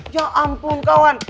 ya ampun kawan